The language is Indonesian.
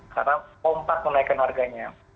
karena kompat kenaikan harganya